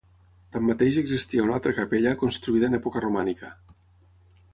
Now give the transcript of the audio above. Tanmateix existia una altra capella construïda en època romànica.